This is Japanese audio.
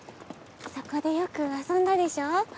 そこでよく遊んだでしょ。